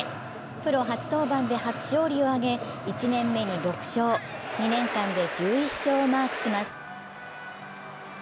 プロ初登板で初勝利を挙げ、１年目に６勝、２年間で１１勝をマークします。